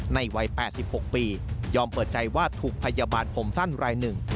ในวัย๘๖ปียอมเปิดใจว่าถูกพยาบาลผมสั้นรายหนึ่ง